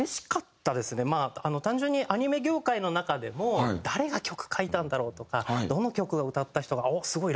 まあ単純にアニメ業界の中でも誰が曲書いたんだろう？とかどの曲を歌った人がすごい！